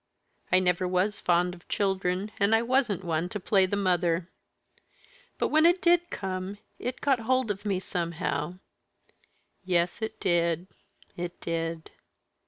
I never was fond of children, and I wasn't one to play the mother. But, when it did come, it got hold of me somehow yes, it did! it did!